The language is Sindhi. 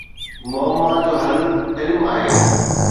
معما جو حل علم آهي